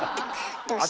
どうして？